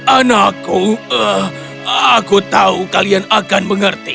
anakku aku tahu kalian akan mengerti